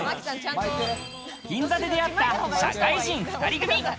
銀座で出会った社会人２人組。